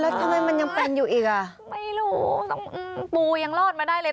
ทำไมมันยังเป็นอยู่อีกอ่ะไม่รู้มาอื้มปูยังรอดไม่ได้เลย